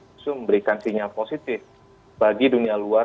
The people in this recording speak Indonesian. justru memberikan sinyal positif bagi dunia luar